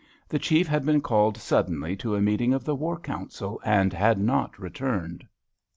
The Chief had been called suddenly to a meeting of the War Council, and had not returned.